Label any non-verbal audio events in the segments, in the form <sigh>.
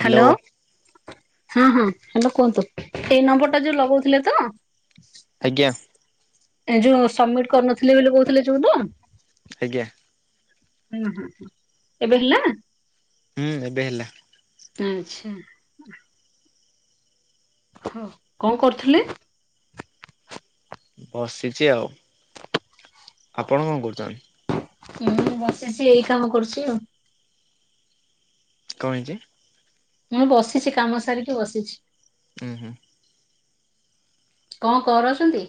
Hello hello. ହଁ ହଁ hello କୁହନ୍ତୁ ଏଇ ନମ୍ବର ଟା ଯୋଉ ଲଗଉଥିଲେ ତ? ଆଜ୍ଞା। ଏ ଯୋଉ ସମିଟି କରିନଥିଲେ ବୋଲି କହୁଥିଲେ ଯୋଉ ତ? ଆଜ୍ଞା। ହୁଁ, ହଁ, ହଁ ଏବେ ହେଲା? ହୁଁ, ଏବେ ହେଲା। ଆଚ୍ଛା। ହଁ କଣ କରୁଥିଲେ? ବସିଚି ଆଉ, ଆପଣ କଣ କରୁଛନ୍ତି? ମୁଁ ବସିଛି ଏଇ କାମ କରୁଛି ଆଉ। କଣ ହେଇଚି? ମୁଁ ବସିଛି, କାମ ସାରିକି ବସିଛି। ଉଁ, ହୁଁ। କଣ କରୁଛନ୍ତି?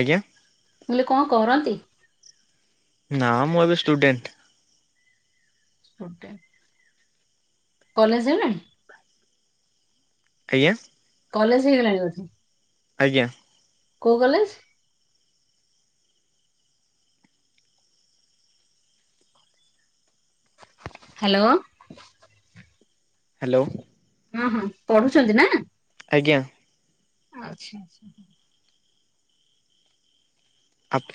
ଆଜ୍ଞା। ମୁଁ କହିଲି କଣ କରନ୍ତି? ନା ମୁଁ ଏବେ ଷ୍ଟୁଡେଣ୍ଟ। ସୁଡେ କଲେଜ୍ ହେଲାଣି? ଆଜ୍ଞା। କଲେଜ୍ ହେଇଗଲାଣି ବୋଧେ? ଆଜ୍ଞା। କୋଉ କଲେଜ୍? ହ୍ୟାଲୋ। ହ୍ୟାଲୋ। ହଁ, ହଁ ପଢୁଛନ୍ତି ନା? ଆଜ୍ଞା। ଆଚ୍ଛା, ଆଚ୍ଛା। ଆପ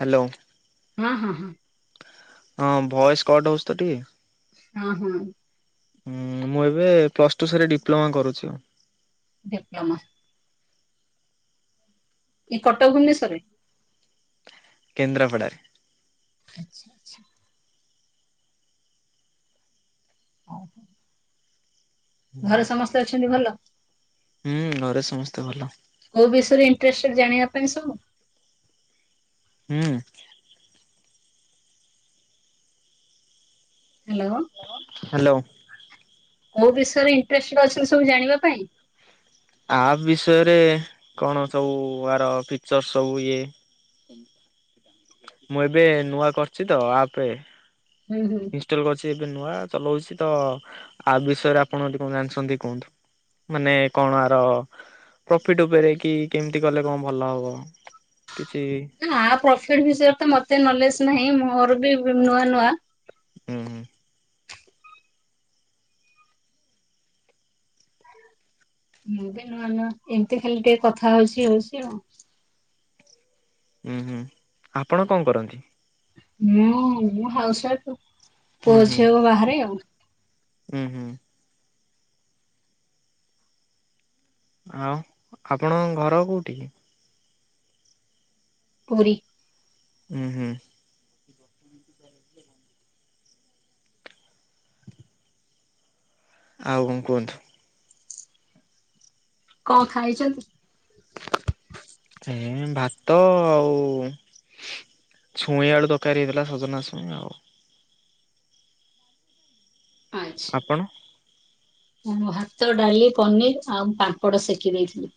ହ୍ୟାଲୋ। ମା ହଁ, ହଁ ହଁ ଭଏସ୍ କଟ୍ ହଉଛି ତ ଟିକେ। ହଁ, ହଁ। ହୁଁ, ମୁଁ ଏବେ ପ୍ଲସ୍ ଟୁ ସାରି ଡିପ୍ଲୋମା କରୁଛୁ। ଡିପ୍ଲୋମା। ଏଇ କଟକ ଭୁବନେଶ୍ୱରରେ? କେନ୍ଦ୍ରାପଡ଼ାରେ। ଆଚ୍ଛା, ଆଚ୍ଛା। ଓ ହଁ। ଘରେ ସମସ୍ତେ ଅଛନ୍ତି ଭଲ? ହୁଁ, ଘରେ ସମସ୍ତେ ଭଲ। କୋଉ ବିଷୟରେ ଇଣ୍ଟ୍ରେଷ୍ଟେଡ୍ ଜାଣିବା ପାଇଁ ସବୁ? ହୁଁ। ହ୍ୟାଲୋ। ହ୍ୟାଲୋ। କୋଉ ବିଷୟରେ ଇଣ୍ଟ୍ରେଷ୍ଟେଡ୍ ଅଛନ୍ତି ସବୁ ଜାଣିବା ପାଇଁ? ଆପ୍ ବିଷୟରେ କଣ ସବୁ ଆର ପିକ୍ଚର୍ ସବୁ ଇଏ ମୁଁ ଏବେ ନୂଆ କରିଚି ତ ଆପେ ହୁଁ ହୁଁ। ଇନଷ୍ଟଲ କରିଛି ଏବେ ନୂଆ ଚଲଉଛି ତ ଆପ୍ ବିଷୟରେ ଆପଣ ଯଦି କଣ ଜାଣିଛନ୍ତି କୁହନ୍ତୁ? ମାନେ କଣ ଆର ପ୍ରଫିଟ ଉପରେ କି କେମିତି କଲେ କଣ ଭଲ ହବ। କିଛି ନା ଆ ପ୍ରଫିଟ୍ ବିଷୟରେ ତ ମତେ ନଲେଜ ନାହିଁ ମୋର ବି ନୂଆ ନୂଆ। ଉଁ ହୁଁ। ମୁଁ ବି ନୂଆ ନୂଆ ଏମିତି ଖାଲି ଟିକେ କଥା ହଉଚି ହଉଚି ଆଉ। ଉଁ ହୁଁ ଆପଣ କଣ କରନ୍ତି? ମୁଁ ମୁଁ ହାଉସ ୱାଇଫ ପୁଅ ଝିଅ ବାହାରେ ଆଉ। ଉଁ ହୁଁ। ଆଉ ଆପଣଙ୍କ ଘର କୋଉଠି କି? ପୁରୀ। ଉଁ ହୁଁ। <unintelligible> ଆଉ କଣ କୁହନ୍ତୁ? କଣ ଖାଇଚନ୍ତି? ଏଁ ଭାତ ଆଉ ଛୁଇଁ ଆଳୁ ତରକାରୀ ହେଇଥିଲା ସଜନା ଛୁଇଁ ଆଉ। ଆଚ୍ଛ। ଆପଣ? ମୁଁ ଭାତ, ଡାଲି, ପନିର ଆଉ ପାମ୍ପଡ଼ ସେକି ଦେଇଥିଲି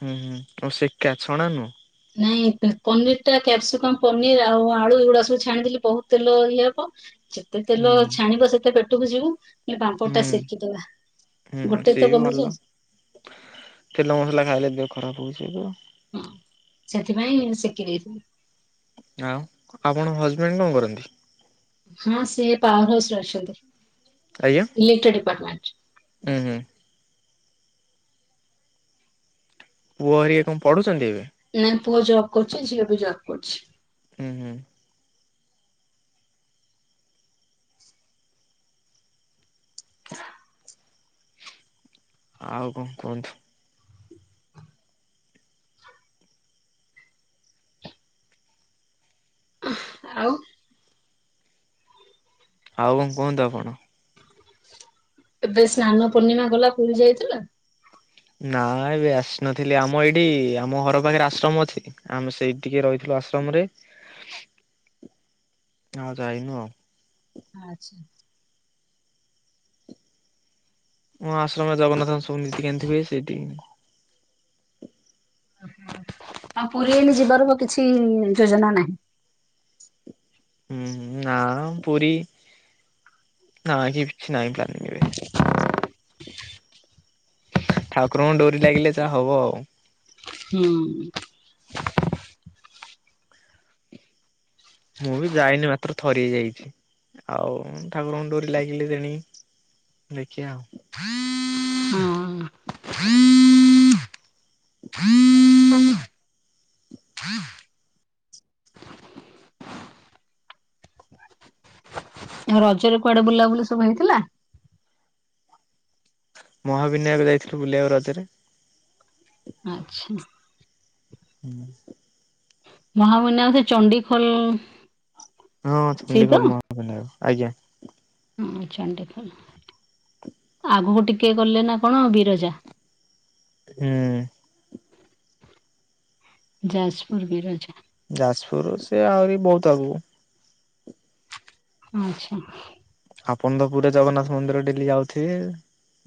ହୁଁ ହୁଁ ଓ ଶେକା ଛଣା ନୁହଁ। ନାଇଁ ପନିର ଟା କ୍ୟାପସିକମ, ପନିର ଆଉ ଆଳୁ ଏଇଗୁଡା ସବୁ ଛାଣିଥିଲି ବହୁତ ତେଲ ଇଏ ହବ। ଯେତେ ହୁଁ ତେଲ ହୁଁ ଛାଣିବ ସେତେ ପେଟକୁ ଯିବୁ। ଏ ପାମ୍ପଡ ଟା ହୁଁ ସେକିଦବା ହୁଁ ଗୋଟେ ସିଏ ତ ବି କମି ଭଲ ଯା ତେଲ ମସଲା ଖାଇଲେ ଦେହ ଖରାପ ହଉଛି। <unintelligible> ହଁ ସେଥିପାଇଁ ସେକି ଦେଇେଥିଲି। ଆଉ ଆପଣଙ୍କ ହଜବେଣ୍ଡ କଣ କରନ୍ତି? ହଁ ସିଏ ପାୱାର ହାଉସ ରେ ଅଛନ୍ତି ଇଲେକ୍ଟ୍ରି ଡିପାର୍ଟମେଣ୍ଟ। ଉଁ ହୁଁ। ପୁଅ ହେରିକା କଣ ପଢୁଚନ୍ତି ଏବେ? ନା ପୁଅ ଜବ୍ କରୁଚି, ଝିଅ ବି ଜବ୍ କରୁଚି। ଉଁ ହୁଁ। <unintelligible> ଆଉ କଣ କୁହନ୍ତୁ? ଆଉ ଆଉ କଣ କୁହନ୍ତୁ ଆପଣ? ଏବେ ସ୍ନାନ ପୂର୍ଣ୍ଣିମା ଗଲା ପୁରୀ ଯାଇଥିଲ? ନା ଏବେ ଆସିନଥିଲି ଆମ ଏଇଠି ଆମ ଘର ପାଖରେ ଆଶ୍ରମ ଅଛି। ଆମେ ସେଇ ଟିକେ ରହିଥିଲୁ ଆଶ୍ରମରେ ଆଉ ଯାଇନୁ ଆଉ। ଆଚ୍ଛା। ଉଁ ଆଶ୍ରମରେ ଜଗନ୍ନାଥଙ୍କ ସବୁ ନୀତି କାନ୍ତି ହୁଏ ସେଇଟି। ଓହୋ, ଆଉ ପୁରୀ ଏଇନେ ଯିବାର କିଛି ଯୋଜନା ନାହିଁ। ଉଁ ହୁଁ ନା ପୁରୀ ନାହିଁ କିଛି ନାଇଁ ପ୍ଲାନିଂ ଏବେ। ଠାକୁରଙ୍କ ଡୋରି ଲାଗିଲେ ଯାହା ହବ ହୁଁ ମୁଁ ବି ଯାଇନି ମାତ୍ର ଥରିଏ ଯାଇଛି ଆଉ ଠାକୁରଙ୍କ ଡୋରି ଲାଗିଲେ ତେଣି ଦେଖିୟା ଆଉ <inaudible> ରଜରେ କୁଆଡ଼େ ବୁଲା ବୁଲି ସବୁ ହେଇଥିଲା ମହାବିନାୟକ ଯାଇଥିଲୁ ବୁଲିବାକୁ ରଜରେ ଆଛା ହୁଁ ମହାବିନାୟକ ଚଣ୍ଡିଖୋଲ ହଁ ସେଇ ତ ଚଣ୍ଡିଖୋଲ ମହାବିନାୟକ ଆଜ୍ଞା ହଁ ଚଣ୍ଡିଖୋଲ <inaudible> ଆଗୁକୁ ଟିକେ ଗଲେ ନା କଣ ବିରଜା ଉଁ ଯାଜପୁରୁ ବିରଜା ଯାଜପୁରୁ ସେ ଆହୁରି ବହୁତ ଆଗକୁ ଆଛା ଆପଣ ତ ପୁରା ଜଗନ୍ନାଥ ମନ୍ଦିର ଡେଲି ଆଉଥିବେ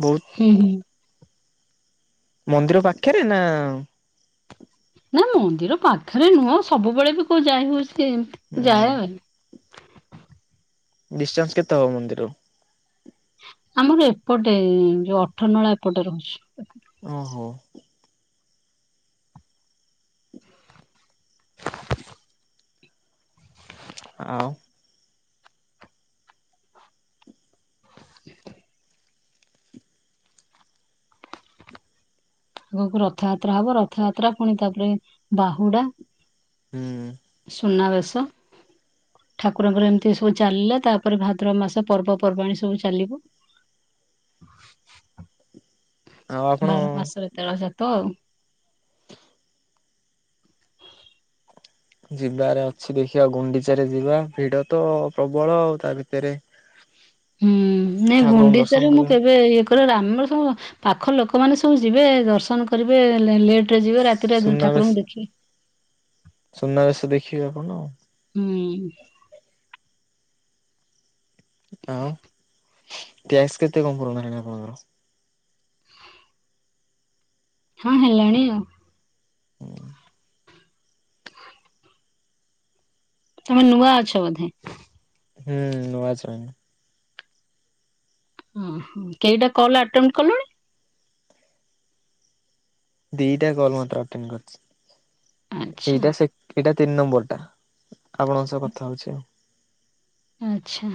ବହୁତ ହୁଁ ହୁଁ ମନ୍ଦିର ପାଖେରେ ନା ନା ମନ୍ଦିର ପାଖରେ ନୁହଁ ସବୁବେଳେ ବି କୋଉ ଯାଇ ହଉଛି ଉଁ ଯାଇହବନି ଡିଷ୍ଟାନ୍ସ କେତେ ହବ ମନ୍ଦିର ଆମର ଏପଟେ ଏ ଯୋଉ ଅଠନଳା ଏପଟେ ରହୁଛି ଓଃ ଆ ଆଉ ଗକୁ ରଥଯାତ୍ରା ହବ ରଥଯାତ୍ରା ପୁଣି ତାପରେ ବାହୁଡ଼ା ହଁ ସୁନାବେଶ ଠାକୁରଙ୍କର ଏମିତି ସବୁ ଚାଲିଲା, ତାପରେ ଭାଦ୍ରବ ମାସ ପର୍ବପର୍ବାଣୀ ସବୁ ଚାଲିବ ଆଉ ଆପଣ ବାର ମାସରେ ତେଳସାତ ଆଉ ଯିବାରେ ଅଛି ଦେଖିବା ଗୁଣ୍ଡିଚାରେ ଯିବା ଭିଡ଼ ତ ପ୍ରବଳ ତା ଭିତରେ ହୁଁ ନା ଠାକୁରଙ୍କୁ ଦର୍ଶନ ଗୁଣ୍ଡିଚାରେ ମୁଁ କରିବା କେବେ ଇଏ ଏପଟେ ଆମର ସବୁ ପାଖ ଲୋକମାନେ ସବୁ ଯିବେ ଦର୍ଶନ କରିବେ ଲେ ଲେଟ୍ ଟ୍ରେ ଯିବେ ରାତିରେ ସୁନାବେଶ ଠାକୁରଙ୍କୁ ଦେଖିବେ ସୁନାବେଶ ଦେଖିବେ ଆପଣ ହୁଁହ ଆଉ ଟ୍ୟାକ୍ସ କେତେ କଣ ପୁରଣ ହେଲାଣି ଆପଣଙ୍କର ହଁ ହେଲାଣି ଆଉ ହଁ ତମେ ନୂଆ ଅଛ ବଧେ ହୁଁ ନୂଆ ଯୋଇନିଂ ଓଃ କେଇଟା କଲ୍ ଆଟେମ୍ଟ କଲଣୀ ଦିଟା କଲ ମାତ୍ର ଆଟେଣ୍ଡ କରିଛି ଆଚ୍ଛା। ଏଇଟା ସେକ ଏଇଟା ତିନ୍ ନମ୍ବର ଟା ଆପଣଙ୍କ ସହ କଥା ହଉଛି ଆଉ ଆଛା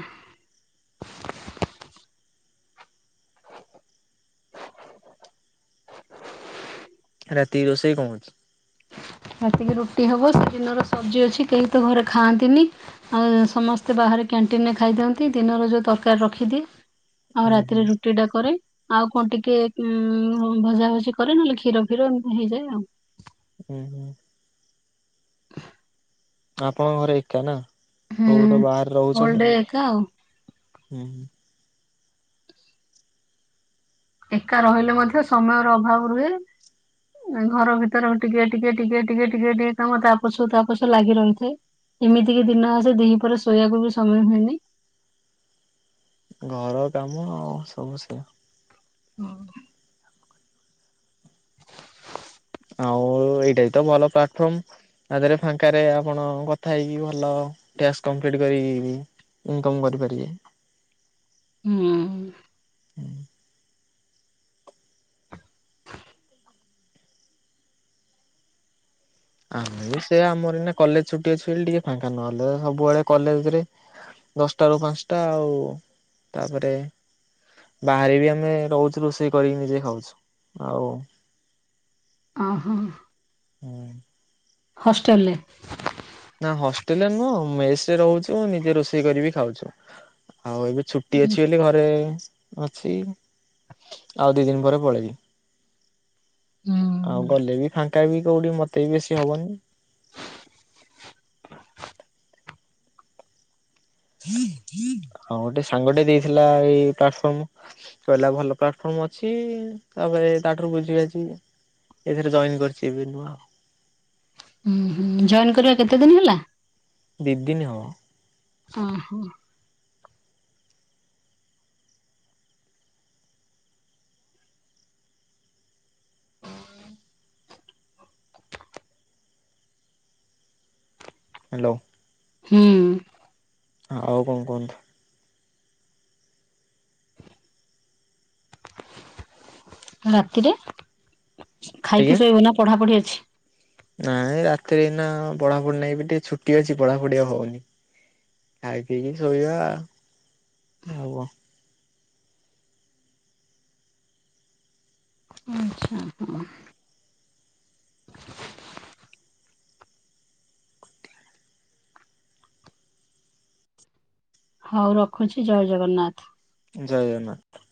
ରାତି ରୋଷେଇ କଣ ହଉଛି ରାତିକି ରୁଟି ହବ ସେ ଡିନର ସବଜି ଅଛି କେହି ତ ଘରେ ଖାଆନ୍ତିନି ଆଉ ସମସ୍ତେ ବାହାରେ କ୍ୟାଣ୍ଟିନି ରେ ଖାଇଦିଅନ୍ତି ଦିନର ଯେଉଁ ତରକାରୀ ରଖିଦିଏ ଆଉ ହୁଁ ହୁଁ ରାତିରେ ରୁଟି ଟା କରେ ଆଉ କଣ ଟିକେ ଉଁ ଭଜା ଭୁଜି କରେ ନହେଲେ କ୍ଷୀର ଫିର ଏମିତି ହେଇଯାଏ ଆଉ ଉଁ ହୁଁ ଆପଣଙ୍କ ଘରେ ଏକା ନା ସବୁ ତ ବାହାରେ ହୁଁ ଅଲ୍ ଡେ ରହୁଛନ୍ତି ଏକା ଆଉ। ହୁଁ ଏକା ରହିଲେ ମଧ୍ୟ ସମୟର ଅଭାବ ରୁହେ ଘର ଭିତର ଟିକେ ଟିକେ ଟିକେ ଟିକେ ଟିକେ ଟି କାମ ତା ପଛକୁ ତା ପଛକୁ ଲାଗି ରହିଥାଏ ଏମିତି କି ଦିନ ଆସେ ଦିପହରେ ଶୋଇବାକୁ ବି ସମୟ ହୁଏନି ଘର କାମ ଆଉ ସବୁ ସେଇଆ ହଁ ଆଉ ଏଇଟା ବି ତ ଭଲ ପ୍ଲାଟଫର୍ମ ତା ଦେହରେ ଫାଙ୍କାରେ ଆପଣ କଥା ହେଇକି ଭଲ ଟ୍ଯାକ୍ସ କପ୍ଲିଟ କରିକି ଇନକମ୍ କରିପାରିବେ ହୁଁ ଆମେ ବି ସେଇଆ ଆମର ଏଇନା କଲେଜ ଛୁଟି ଅଛି ବୋଲି ଟିକେ ଫାଙ୍କା ନହେଲେ ସବୁବେଳେ କଲେଜରେ ଦଶଟ ରୁ ପାଞ୍ଚଟା ଆଉ ତାପରେ ବାହାରେ ବି ଆମେ ରହୁଛୁ ରୋଷେଇ କରିକି ନିଜେ ଖାଉଛୁ ଆଉ ଓହୋ ହୁଁ ହଷ୍ଟେଲ ରେ ନା ହଷ୍ଟେଲରେ ନୁହଁ ମେସରେ ରହୁଛୁ ନିଜେ ରୋଷେଇ କରିବି ଖାଉଛୁ ଆଉ ଏବେ ଛୁଟି ହୁଁ ଅଛି ବୋଲି ଘରେ ଅଛି ଆଉ ଦି ଦିନ ପରେ ପଳେଇବି ଆଉ ଗଲେ ବି ଫାଙ୍କା ବି କଉଠି ମତେ ବି ବେଶୀ ହବନି ହଁ ଗୋଟେ ସାଙ୍ଗଟେ ଦେଇଥିଲା ଏଇ ପ୍ଲାଟଫର୍ମ କହିଲା ଭଲ ପ୍ଲାଟଫର୍ମ ଅଛି ତାପରେ ତାଠାରୁ ବୁଝିବାଝି ଏଥିରେ ଜଏନ୍ କରିଛି ଏବେ ନୂଆ ଉଁ ହୁଁ ଜଏନ୍ କରିବା କେତେ ଦିନ ହେଲା ଦି ଦିନ ହବ ହଁ ହଁ ହୁଁ ହ୍ୟାଲୋ ହୁଁ ଆଉ କଣ କୁହନ୍ତୁ ରାତିରେ ଖାଇକି ଆଜ୍ଞା। ଶୋଇବ ନା ପଢାପଢି ଅଛି ନାଇଁ ରାତିରେ ଏଇନା ପଢାପୁଢି ନାହିଁ ଏବେ ଟିକେ ଛୁଟି ଅଛି ପଢାପୁଢି ଆଉ ହଉନି ଖାଇ ପିଇକି ଶୋଇବା ଆଉ କଣ ଆଛା ହଁ ହଉ ରଖୁଛି ଜୟ ଜଗନ୍ନାଥ ଜୟ ଜଗନ୍ନାଥ